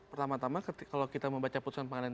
pertama tama kalau kita membaca putusan pengadilan